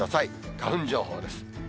花粉情報です。